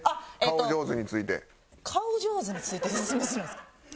顔ジョーズについて説明するんですか？